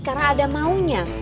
karena ada maunya